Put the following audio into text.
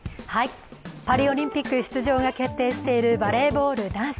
パリオリンピック出場が決定しているバレーボール男子。